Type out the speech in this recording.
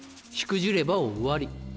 しくじれば終わり。